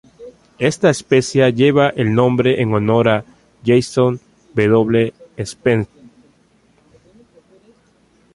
Esta especie lleva el nombre en honor a Jason W. Speer.